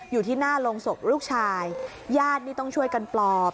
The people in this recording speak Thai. อยู่ที่หน้าโรงศพลูกชายญาตินี่ต้องช่วยกันปลอบ